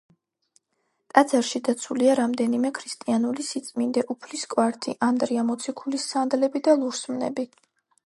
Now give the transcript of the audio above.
ტაძარში დაცულია რამდენიმე ქრისტიანული სიწმინდე: უფლის კვართი, ანდრია მოციქულის სანდლები და ლურსმნები.